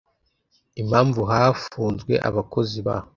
Impamvu hafunzwe abakozi ba